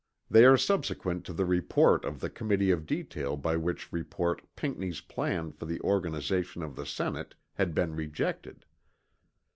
They are subsequent to the report of the Committee of Detail by which report Pinckney's plan for the organization of the Senate had been rejected.